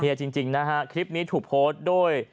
จริงนะฮะคลิปนี้ถูกโพสต์ด้วย